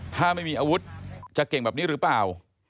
ถ้าไม่มีอาวุธจะเก่งแบบนี้หรือเปล่า